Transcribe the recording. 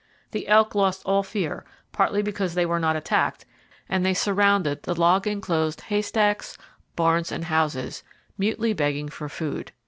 The elk lost all fear, partly because they were not attacked, and they surrounded the log enclosed haystacks, barns and houses, mutely begging for food.